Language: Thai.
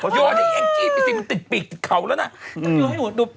โยที่แองจี้ไปจริงมันติดปีกติดเขาแล้วนะ